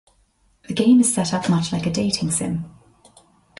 The game is set up much like a dating sim.